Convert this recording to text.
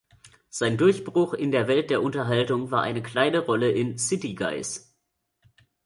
Sein Durchbruch in der Welt der Unterhaltung war eine kleine Rolle in "City Guys".